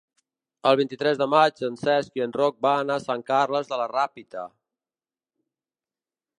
El vint-i-tres de maig en Cesc i en Roc van a Sant Carles de la Ràpita.